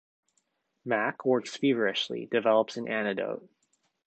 Mac works feverishly, develops an antidote.